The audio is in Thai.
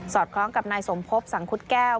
สอดคล้องกับนายสมพบสังคุฎแก้ว